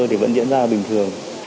thì vẫn diễn ra bình thường